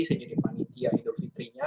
saya jadi panitia idul fitrinya